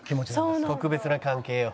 特別な関係よ。